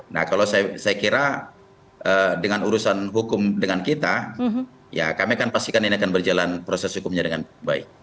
nah kalau saya kira dengan urusan hukum dengan kita ya kami akan pastikan ini akan berjalan proses hukumnya dengan baik